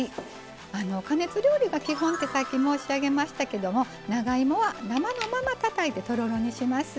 加熱料理が基本ってさっき申し上げましたけども長芋は生のままたたいてとろろにします。